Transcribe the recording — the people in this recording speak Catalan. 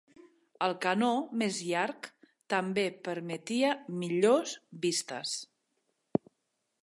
El canó més llarg també permetia millors vistes.